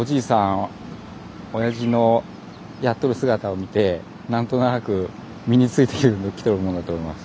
親父のやってる姿を見て何となく身についてきてるものだと思います。